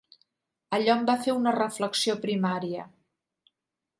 Allò em va fer una reflexió primària.